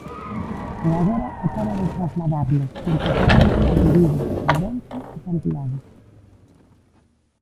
E agora acaba de trasladarnos que empezarán polas de Vigo, Ourense e Santiago.